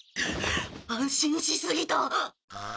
安心しすぎた！